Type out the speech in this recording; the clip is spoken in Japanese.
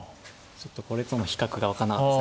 ちょっとこれとの比較が分かんなかったです。